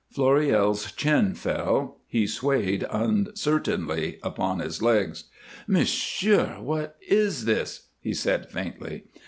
Floréal's chin fell, he swayed uncertainly upon his legs. "Monsieur what is this?" he said, faintly.